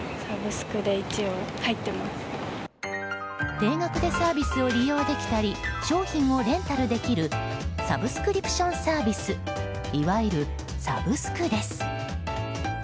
定額でサービスを利用できたり商品をレンタルできるサブスクリプションサービスいわゆるサブスクです。